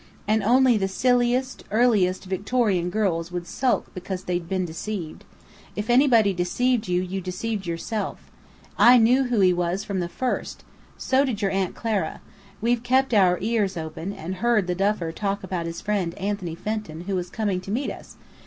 And only the silliest, earliest Victorian girls would sulk because they'd been 'deceived.' If anybody deceived you, you deceived yourself. I knew who he was from the first! So did your Aunt Clara. We'd kept our ears open, and heard the Duffer talk about his friend Anthony Fenton who was coming to meet us.